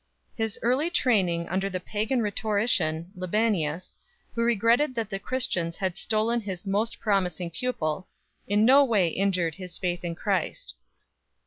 His early training under the pagan rhetorician Libanius, who regretted that the Christians had stolen his most pro mising pupil 1 , in no way injured his faith in Christ.